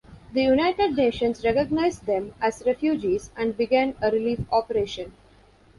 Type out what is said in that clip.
The United Nations recognised them as refugees and began a relief operation.